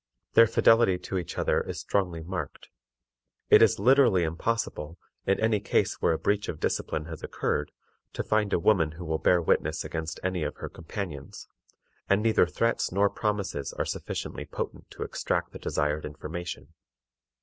Their fidelity to each other is strongly marked. It is literally impossible, in any case where a breach of discipline has occurred, to find a woman who will bear witness against any of her companions, and neither threats nor promises are sufficiently potent to extract the desired information.